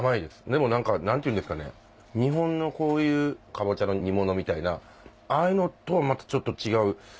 でも何か何ていうんですかね日本のこういうかぼちゃの煮物みたいなああいうのとはまたちょっと違う。